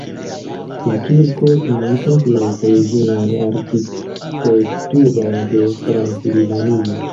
La kirko imitas la eklezian arkitekturon de Transilvanio.